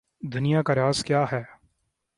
دنیا کا راز کیا ہے؟